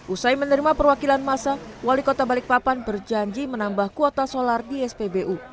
usai menerima perwakilan masa wali kota balikpapan berjanji menambah kuota solar di spbu